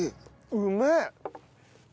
うめえ！